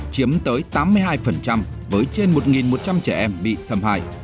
chiếm tới tám mươi hai với trên một một trăm linh trẻ em bị xâm hại